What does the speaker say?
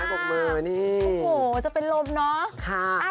โอ้โหจะเป็นลมเนาะ